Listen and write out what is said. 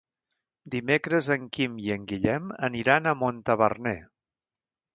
Dimecres en Quim i en Guillem aniran a Montaverner.